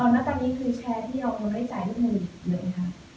อ๋อแล้วตอนนี้คือแชร์ที่เราเอาคนไว้จ่ายร่วมหนึ่งเหมือนไหมคะ